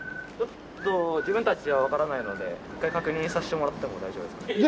ちょっと自分たちじゃわからないので一回確認させてもらっても大丈夫ですか？